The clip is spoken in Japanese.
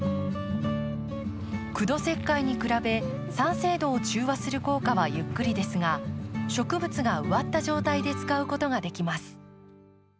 苦土石灰に比べ酸性度を中和する効果はゆっくりですが植物が植わった状態で使うことができます。